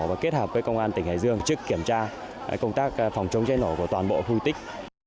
và kết hợp với công an tỉnh hải dương trước kiểm tra công tác phòng chống chế nổ của toàn bộ huy tích